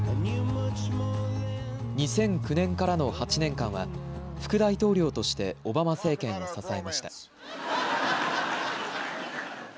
２００９年からの８年間は副大統領としてオバマ政権を支えました。